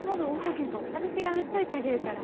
私が売っといたげるから。